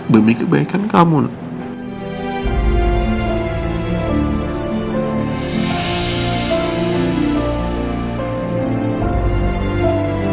sampai jumpa lagi